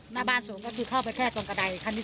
หน้าบ้านสูงก็คือเข้าไปแค่ตรงกระดายคันนี้